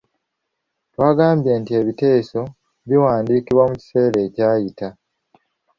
Twagambye nti ebiteeso biwandiikibwa mu kiseera ekyayita.